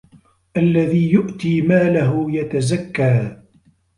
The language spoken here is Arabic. الَّذي يُؤتي مالَهُ يَتَزَكّى